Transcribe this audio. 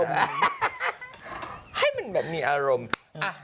ก็ให้แบบมีอารมณ์